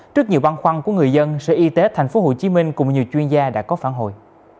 trước nhiều băn khoăn của người dân sở y tế tp hcm cùng nhiều chuyên gia đã có phản hồi